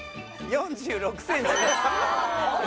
４６センチです。